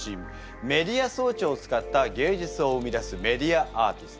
メディア装置を使った芸術を生み出すメディアアーティスト。